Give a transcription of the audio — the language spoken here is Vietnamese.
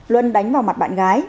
luân đánh vào mặt bạn gái